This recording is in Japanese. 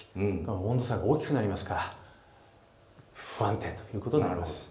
温度差が大きくなりますから不安定ということになります。